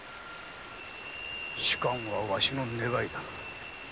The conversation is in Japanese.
仕官はワシの願いだ。